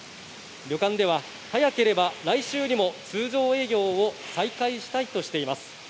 旅館では早ければ来週にも通常営業を再開したいとしています。